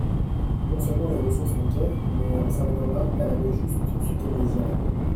Non-seulement les ressources manquaient, mais, en s'arrêtant là, elle avait juste ce qu'elle désirait.